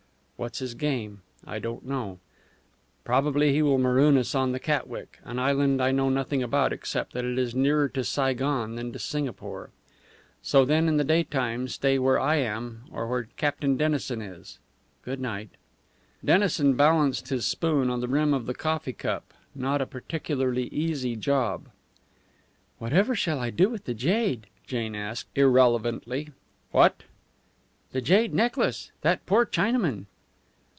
What's his game? I don't know. Probably he will maroon us on the Catwick, an island I know nothing about, except that it is nearer to Saigon than to Singapore. So then in the daytime stay where I am or where Captain Dennison is. Good night." Dennison balanced his spoon on the rim of the coffee cup not a particularly easy job. "Whatever shall I do with the jade?" Jane asked, irrelevantly. "What?" "The jade necklace. That poor Chinaman!"